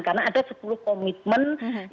karena ada sepuluh komitmen